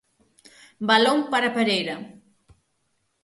Balón para Pereira.